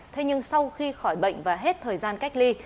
thế nhưng sau khi khỏi bệnh và hết thời gian cách ly